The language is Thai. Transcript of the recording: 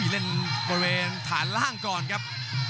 เล่นบริเวณฐานล่างก่อนครับ